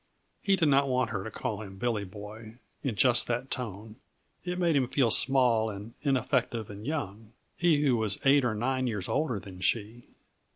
He did not want her to call him "Billy Boy" in just that tone; it made him feel small and ineffective and young he who was eight or nine years older than she!